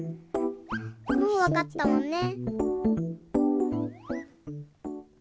もうわかったもんね。